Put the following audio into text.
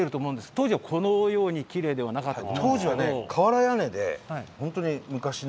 当時はこのようにきれいではなかったと。